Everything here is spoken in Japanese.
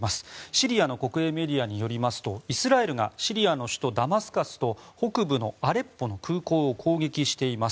シリアの国営メディアによりますとイスラエルがシリアの首都ダマスカスと北部のアレッポの空港を攻撃しています。